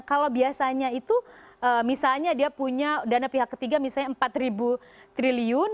kalau biasanya itu misalnya dia punya dana pihak ketiga misalnya empat triliun